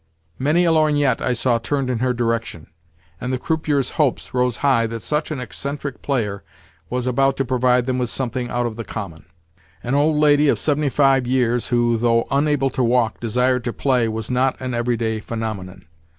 Many a lorgnette I saw turned in her direction, and the croupiers' hopes rose high that such an eccentric player was about to provide them with something out of the common. An old lady of seventy five years who, though unable to walk, desired to play was not an everyday phenomenon.